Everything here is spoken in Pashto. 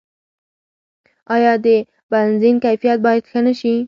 آیا د بنزین کیفیت باید ښه نشي؟